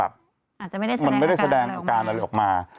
อาจจะไม่ได้แสดงการออกมา